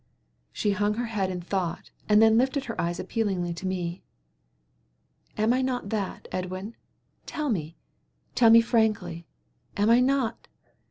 She hung her head in thought, and then lifted her eyes appealingly to me. "Am I not that, Edwin? Tell me! Tell me frankly; am I not?